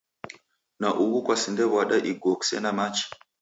Na u'wu kwasinde w'ada iguo kusena machi?